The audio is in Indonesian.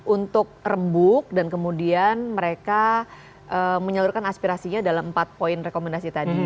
untuk rebuk dan kemudian mereka menyalurkan aspirasinya dalam empat poin rekomendasi tadi